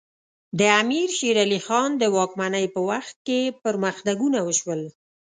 د امیر شیر علی خان د واکمنۍ په وخت کې پرمختګونه وشول.